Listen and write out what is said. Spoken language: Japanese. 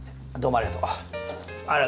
ありがとう。